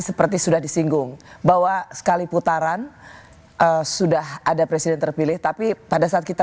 seperti sudah disinggung bahwa sekali putaran sudah ada presiden terpilih tapi pada saat kita